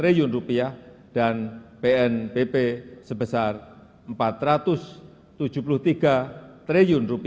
pendapatan negara direncanakan sebesar rp dua ratus tujuh puluh tiga triliun